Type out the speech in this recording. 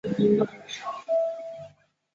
以前自己对她很不好